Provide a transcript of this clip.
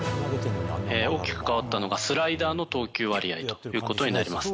大きく変わったのが、スライダーの投球割合ということになります。